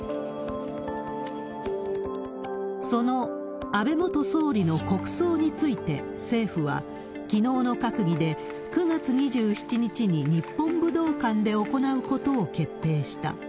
その安倍元総理の国葬について、政府は、きのうの閣議で９月２７日に日本武道館で行うことを決定した。